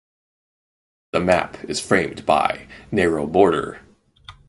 The map is framed by narrow border.